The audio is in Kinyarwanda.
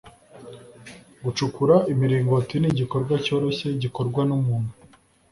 Gucukura imiringoti ni igikorwa cyoroshye gikorwa n’umuntu